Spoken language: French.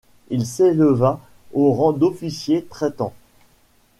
Il s'éleva au rang d'officier traitant.